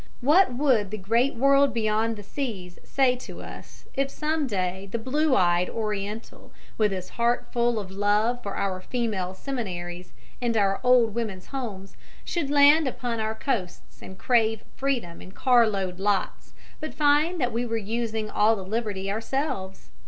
What would the great world beyond the seas say to us if some day the blue eyed Oriental, with his heart full of love for our female seminaries and our old women's homes, should land upon our coasts and crave freedom in car load lots but find that we were using all the liberty ourselves?